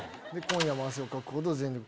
「今夜も汗をかくほど全力」